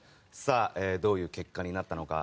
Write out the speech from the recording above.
どういう結果になったのか。